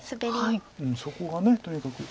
そこがとにかく。